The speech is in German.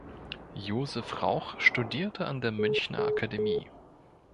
Josef Rauch studierte an der Münchner Akademie.